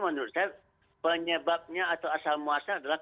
menurut saya penyebabnya atau asal muasal adalah